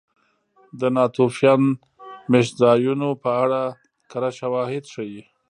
د ناتوفیان مېشتځایونو په اړه کره شواهد ښيي